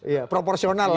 ya proporsional lah